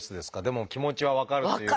でも気持ちは分かるというか。